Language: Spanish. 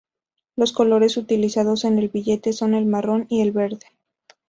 Los colores utilizados en el billete son el marrón y el verde.